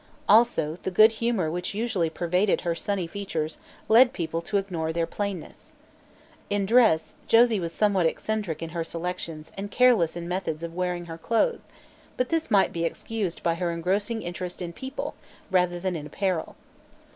Also, the good humor which usually pervaded her sunny features led people to ignore their plainness. In dress, Josie was somewhat eccentric in her selections and careless in methods of wearing her clothes, but this might be excused by her engrossing interest in people, rather than in apparel.